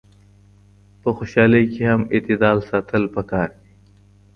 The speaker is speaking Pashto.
په خوشحالۍ کي هم اعتدال ساتل پکار دي.